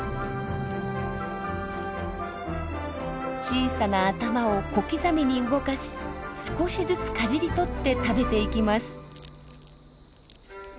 小さな頭を小刻みに動かし少しずつかじりとって食べていきます。